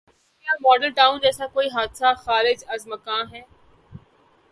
تو کیا ماڈل ٹاؤن جیسا کوئی حادثہ خارج از امکان ہے؟